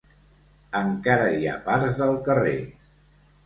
Encara hi ha parts del carrer.